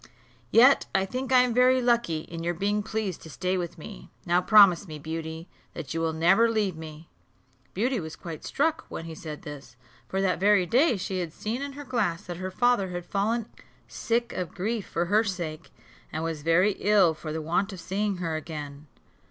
Yet I think I am very lucky in your being pleased to stay with me; now promise me, Beauty, that you will never leave me." Beauty was quite struck when he said this, for that very day she had seen in her glass that her father had fallen sick of grief for her sake, and was very ill for the want of seeing her again.